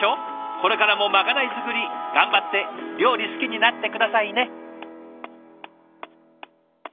これからもまかない作り頑張って料理好きになって下さいね。